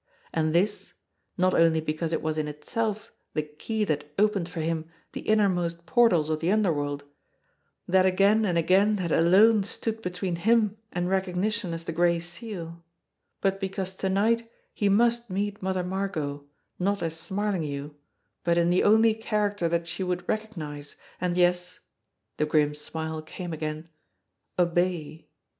And this, not only because it was in itself the key that opened for him the innermost portals of the underworld, that again and again had alone stood between him and recognition as the Gray Seal, but because to night he must meet Mother Margot, not as Smarlinghue, but in the only character that she would recognise, and, yes the grim smile came again obey.